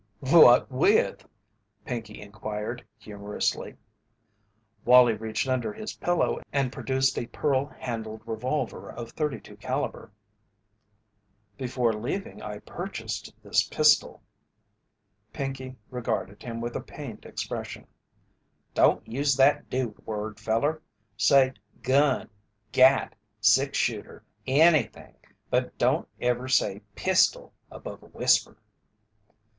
"What with?" Pinkey inquired, humorously. Wallie reached under his pillow and produced a pearl handled revolver of 32 calibre. "Before leaving I purchased this pistol." Pinkey regarded him with a pained expression. "Don't use that dude word, feller. Say 'gun,' 'gat,' 'six shooter,' anything, but don't ever say 'pistol' above a whisper."